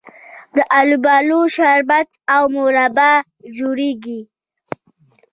د الوبالو شربت او مربا جوړیږي.